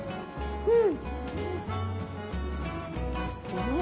うん。